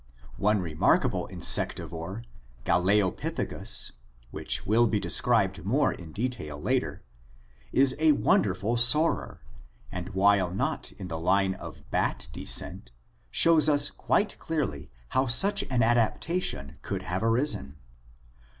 One remarkable insectivore, Galeopithecus, which will be described more in detail later, is a wonderful soarer, and while not in the line of bat descent shows us quite clearly how such an adaptation could have arisen.